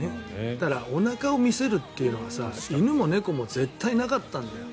だからおなかを見せるっていうのは犬も猫も絶対なかったんだよ。